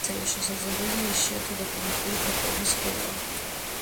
ასევე შესაძლებელია იშვიათი დოკუმენტალური ფოტოების ხილვა.